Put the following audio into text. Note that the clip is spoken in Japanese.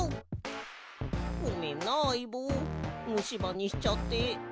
ごめんなあいぼうむしばにしちゃって。